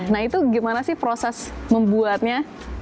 nah itu gimana sih proses membuatnya